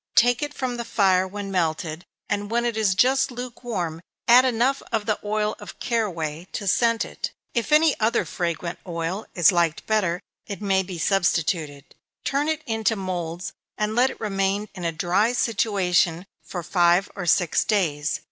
Take it from the fire when melted, and when it is just lukewarm, add enough of the oil of caraway to scent it. If any other fragrant oil is liked better, if may be substituted. Turn it into moulds, and let it remain in a dry situation for five or six days.